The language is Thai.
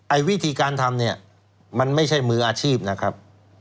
วิธีการทำเนี่ยมันไม่ใช่มืออาชีพนะครับ